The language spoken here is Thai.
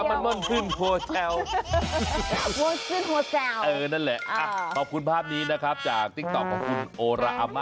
มนต์ขึ้นโฮเซลล์เออนั่นแหละ